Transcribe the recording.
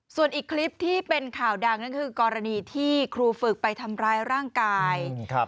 ส่วนอีกคลิปที่เป็นข่าวดังนั่นคือกรณีที่ครูฝึกไปทำร้ายร่างกาย